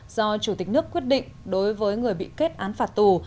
do chủ tịch nước quyết định đối với người bị kết án phạt tù